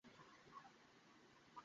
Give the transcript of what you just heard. আজ তো রবিবার।